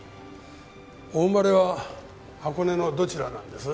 お生まれは箱根のどちらなんです？